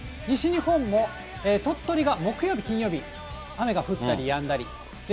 西日本も鳥取が木曜日、金曜日、雨が降ったりやんだり。